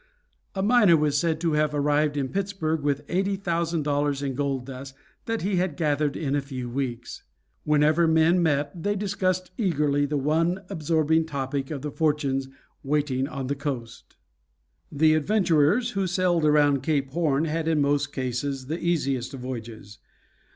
A miner was said to have arrived in Pittsburgh with eighty thousand dollars in gold dust that he had gathered in a few weeks. Whenever men met they discussed eagerly the one absorbing topic of the fortunes waiting on the coast. The adventurers who sailed around Cape Horn had in most cases the easiest voyages.